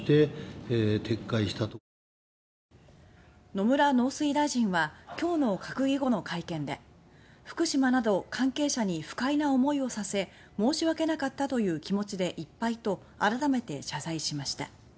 野村農水大臣は今日の閣議後会見で「福島など関係者に不快な思いをさせ申し訳なかったという気持ちでいっぱい」と改めて謝罪しました。